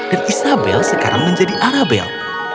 dan isabel sekarang menjadi arabel